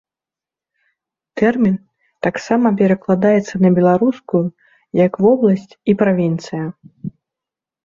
Тэрмін таксама перакладаецца на беларускую як вобласць і правінцыя.